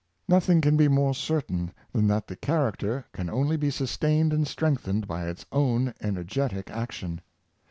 Nothing can be more certain than tnat the character can only be sustained and strengthened by its own en ergetic action.